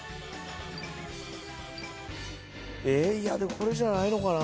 これじゃないのかな？